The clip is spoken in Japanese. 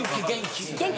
元気！